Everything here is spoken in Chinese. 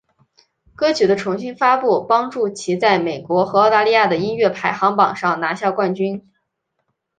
歌曲的重新发布帮助其在美国和澳大利亚的音乐排行榜上拿下冠军。